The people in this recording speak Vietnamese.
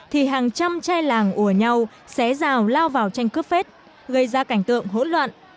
thì hàng trăm chai làng ùa nhau xé rào lao vào tranh cướp phết gây ra cảnh tượng hỗn loạn